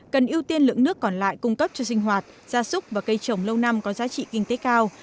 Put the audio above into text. cần ưu tiên lượng nước còn lại cung cấp cho sinh hoạt gia súc và cây trồng lâu năm có giá trị kinh tế cao